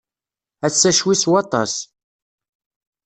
Ass-a ccwi s waṭas.